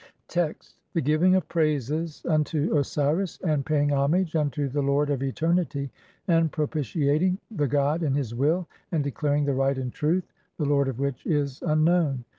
Text : (3) THE GIVING OF PRAISES UNTO OSIRIS, AND PAY ING HOMAGE UNTO THE LORD OF ETERNITY, AND PROPITIATING THE GOD IN HIS WILL, AND DECLARING THE RIGHT AND TRUTH, THE LORD OF WHICH IS UNKNOWN.